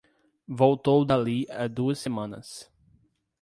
Voltou dali a duas semanas